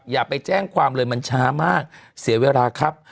อย่าไปแจ้งความเลยมันช้ามากเสียเวลาครับ